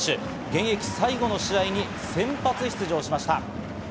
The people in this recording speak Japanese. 現役最後の試合に先発出場しました。